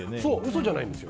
嘘じゃないんです。